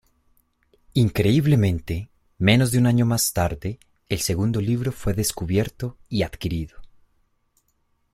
Increíblemente, menos de un año más tarde, el segundo libro fue descubierto y adquirido.